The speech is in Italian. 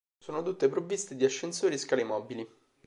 Sono tutte provviste di ascensori e scale mobili.